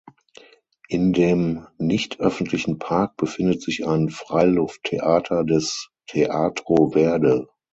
In dem nicht öffentlichen Park befindet sich ein Freilufttheater, das "Teatro verde".